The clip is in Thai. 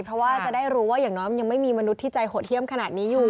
เพราะว่าจะได้รู้ว่าอย่างน้อยมันยังไม่มีมนุษย์ที่ใจโหดเยี่ยมขนาดนี้อยู่